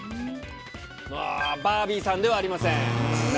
バービーさんではありません。